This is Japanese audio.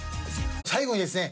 最後にですね